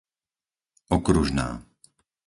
Okružná